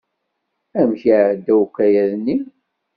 Amek i iɛedda ukayad-nni?